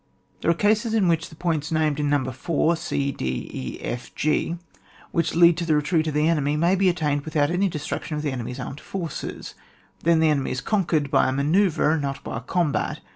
There are cases in which the points named in No. 4, e d e fff, which lead to the retreat of the enemy, may be attained without any destruction of the enemy's armed forces ; then the enemy is conquered by a manoeuvre and not by a combat.